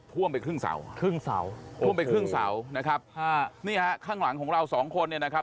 ท่วมไปครึ่งเสาครึ่งเสาท่วมไปครึ่งเสานะครับค่ะนี่ฮะข้างหลังของเราสองคนเนี่ยนะครับ